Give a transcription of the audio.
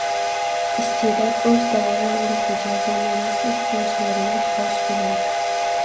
Iste’dod o‘z davri ruhiga, zamonasi ehtiyojlariga xiroj to‘laydi